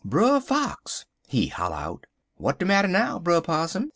Brer Fox, he holler out: "'W'at de matter now, Brer Possum?'